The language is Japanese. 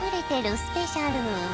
スペシャル。